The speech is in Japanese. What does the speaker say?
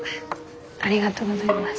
ありがとうございます。